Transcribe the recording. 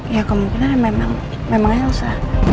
ya kemungkinan memang memang elsa